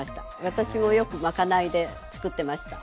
私もよく賄いで作ってました。